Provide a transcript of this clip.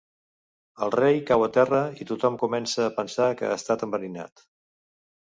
El rei cau a terra i tothom comença a pensar que ha estat enverinat.